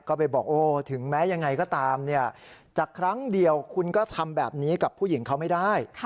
ก็ไปบอกโอ้ถึงแม้ยังไงก็ตามจากครั้งเดียวคุณก็ทำแบบนี้กับผู้หญิงเขาไม่ได้